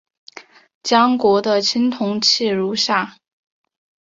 江国的青铜器如下。